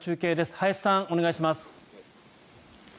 林さん、お願いします。